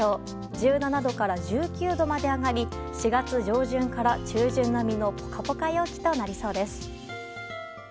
１７度から１９度まで上がり４月上旬から中旬並みのポカポカ陽気となりそうです。